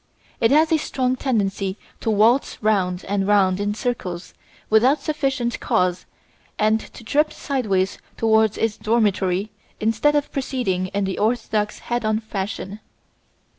It has a strong tendency to waltz round and round in circles without sufficient cause and to trip sideways towards its dormitory instead of proceeding in the orthodox head on fashion.